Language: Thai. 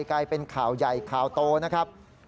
กลายเป็นข่าวใหญ่ข่าวโตนะครับ